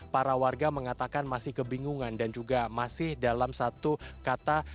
para warga mengatakan masih kebingungan dan juga masih dalam satu kata